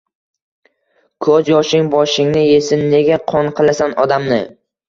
— Koʼz yoshing boshingni yesin, nega qon qilasan odamni!